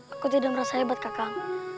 aku tidak merasa hebat kakakmu